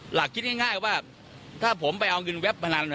หลักคิดง่ายง่ายว่าถ้าผมไปเอาเงินแวบมานาน